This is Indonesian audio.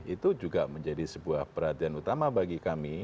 itu juga menjadi sebuah perhatian utama bagi kami